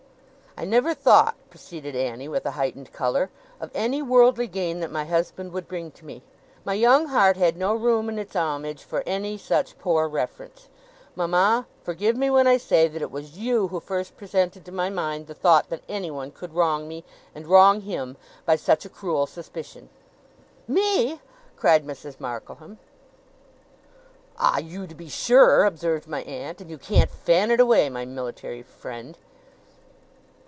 ') 'I never thought,' proceeded Annie, with a heightened colour, 'of any worldly gain that my husband would bring to me. My young heart had no room in its homage for any such poor reference. Mama, forgive me when I say that it was you who first presented to my mind the thought that anyone could wrong me, and wrong him, by such a cruel suspicion.' 'Me!' cried Mrs. Markleham. ['Ah! You, to be sure!' observed my aunt, 'and you can't fan it away, my military friend!